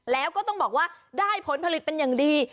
แล้วก็ต้องบอกว่าได้ผลผลิตเป็นอย่างดี